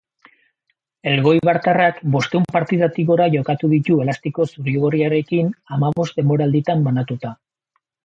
Elgoibartarrak bostehun partidatik gora jokatu ditu elastiko zuri-gorriarekin hamabost denboralditan banatuta.